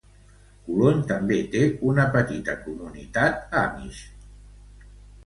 Colon també té una petita comunitat Amish.